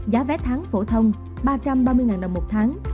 giá vé tháng phổ thông ba trăm ba mươi đồng một tháng